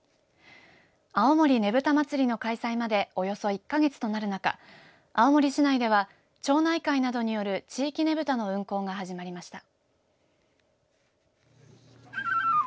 青森ねぶた祭の開催までおよそ１か月となる中、青森市内では町内会などによる地域ねぶたの運行が始まりました。